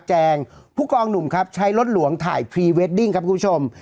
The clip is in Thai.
แจ้งผู้กองหนุ่มครับใช้รถหลวงถ่ายพรีเวดดิ้งครับคุณผู้ชม